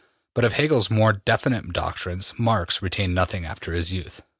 But of Hegel's more definite doctrines Marx retained nothing after his youth.